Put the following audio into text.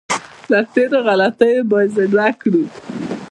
له تېرو غلطیو باید زده کړو.